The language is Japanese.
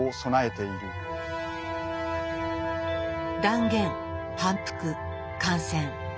断言反復感染。